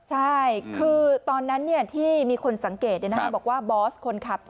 ใช่คือตอนนั้นที่มีคนสังเกตบอกว่าบอสคนขับ